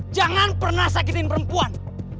jangan pernah sakitin perempuan